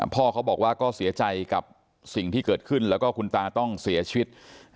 พ่อเขาบอกว่าก็เสียใจกับสิ่งที่เกิดขึ้นแล้วก็คุณตาต้องเสียชีวิต